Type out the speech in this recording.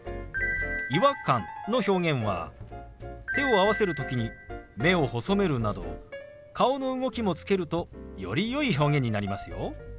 「違和感」の表現は手を合わせる時に目を細めるなど顔の動きもつけるとよりよい表現になりますよ。